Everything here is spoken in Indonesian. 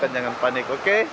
jangan panik oke